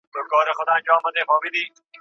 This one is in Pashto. غلیمان به یې تباه او نیمه خوا سي